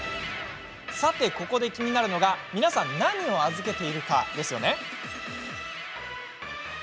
さて、ここで気になるのが皆さん何を預けているかですよね。